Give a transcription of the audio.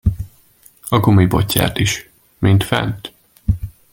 A gumibotját is, mint fent.